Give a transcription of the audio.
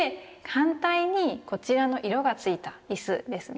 反対にこちらの色がついた椅子ですね。